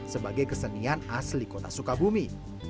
sebagai kesenian asli kota sukabumi